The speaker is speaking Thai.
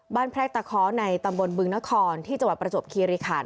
แพรกตะเคาะในตำบลบึงนครที่จังหวัดประจวบคีริขัน